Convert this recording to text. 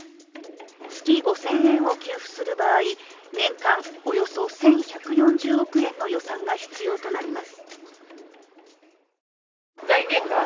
月５０００円を給付する場合年間およそ１１４０億円の予算が必要となります。